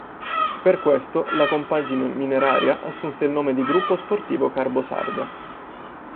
Per questo la compagine mineraria assunse il nome di "Gruppo Sportivo Carbosarda".